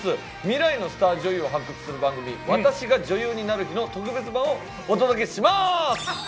未来のスター女優を発掘する番組「私が女優になる日」の特別版をお届けします